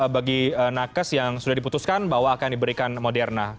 bagi nakes yang sudah diputuskan bahwa akan diberikan moderna